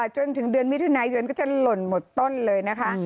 จนถึงเดือนมิถุนายนก็จะหล่นหมดต้นเลยนะคะ